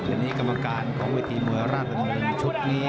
อันนี้กรรมการของวิธีมวยราชภัณฑ์มือชุดนี่